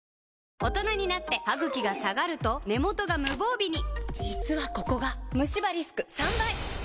大人になってハグキが下がると根元が無防備に実はここがムシ歯リスク３倍！